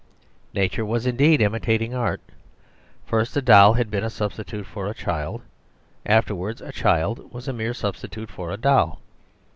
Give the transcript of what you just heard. Nature was indeed imitating art. First a doll had been a substitute for a child; afterwards a child was a mere substitute for a doll.